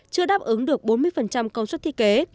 chưa đáp ứng được bốn mươi tấn